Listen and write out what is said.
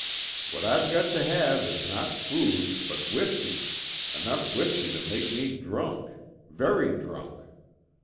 What I've got to have is not food, but whiskey enough whiskey to make me drunk very drunk.